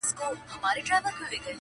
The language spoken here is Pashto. چي هر څه تلاښ کوې نه به ټولیږي -